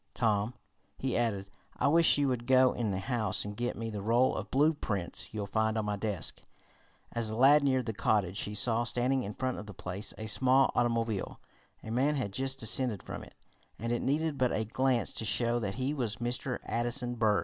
"Tom," he added, "I wish you would go in the house and get me the roll of blueprints you'll find on my desk." As the lad neared the cottage he saw, standing in front of the place, a small automobile. A man had just descended from it, and it needed but a glance to show that he was Mr. Addison Berg.